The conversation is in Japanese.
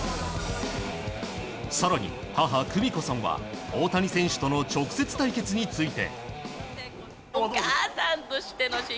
更に、母・久美子さんは大谷選手との直接対決について。